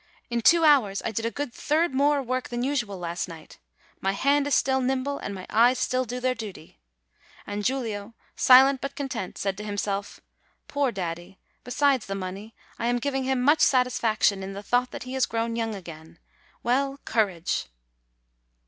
In two hours I did a good third more work than usual last night. My hand is still nimble, and my eyes still do their duty." And Giulio, silent but content, said to himself, "Poor daddy, besides the money, I am giving him such satisfaction in the thought that he has grown young again. Well, courage!'